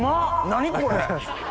何これ。